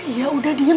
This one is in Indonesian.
ya udah diam